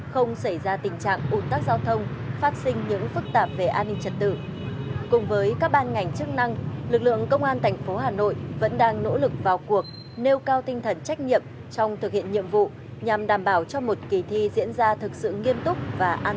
khi chưa có sự can thiệp của lực lượng công an để đảm bảo an toàn